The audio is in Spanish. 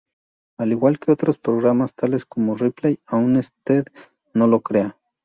Al igual que otros programas tales como "Ripley, ¡aunque usted no lo crea!